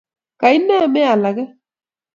Kaine meal age?